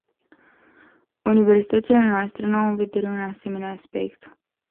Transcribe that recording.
Universitățile noastre nu au în vedere un asemenea aspect.